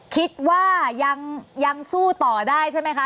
คิดว่ายังสู้ต่อได้ใช่ไหมคะ